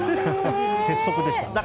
鉄則でした。